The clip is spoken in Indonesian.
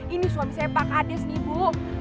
ini suami saya pak ades nih bu